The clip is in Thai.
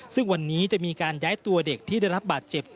ซึ่งวันนี้จะมีการย้ายตัวเด็กที่ได้รับบาดเจ็บ